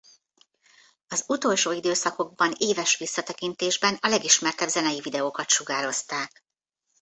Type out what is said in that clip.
Az utolsó időszakokban éves visszatekintésben a legismertebb zenei videókat sugározták.